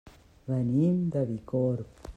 Venim de Bicorb.